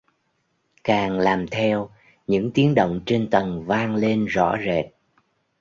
càng làm theo những tiếng động trên tầng vang lên rõ rệt